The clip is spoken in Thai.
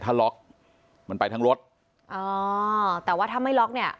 ถ้าล็อกมันไปทั้งรถอ๋อแต่ว่าถ้าไม่ล็อกเนี่ย